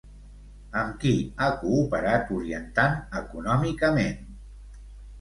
Amb qui ha cooperat orientant econòmicament?